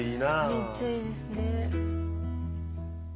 めっちゃいいですね。